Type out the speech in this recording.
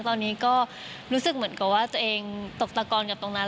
ตอนนี้ก็รู้สึกเหมือนกับว่าตัวเองตกตะกอนกับตรงนั้น